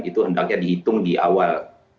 itu hendaknya dihitung di awal